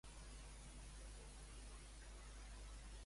Mencionen els àrabs als madianites?